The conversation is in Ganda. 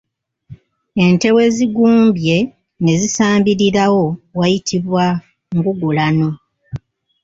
Ente we zigumbye ne zisambirirawo wayitibwa ngugulano.